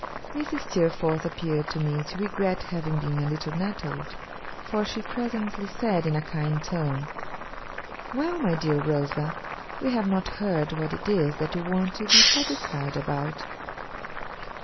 Mrs. Steerforth appeared to me to regret having been a little nettled; for she presently said, in a kind tone: 'Well, my dear Rosa, we have not heard what it is that you want to be satisfied about?